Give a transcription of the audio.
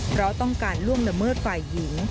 เพราะต้องการล่วงละเมิดฝ่ายหญิง